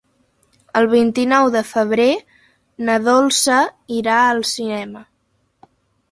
El vint-i-nou de febrer na Dolça irà al cinema.